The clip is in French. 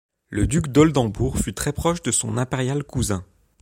Le duc d'Oldenbourg fut très proche de son impérial cousin.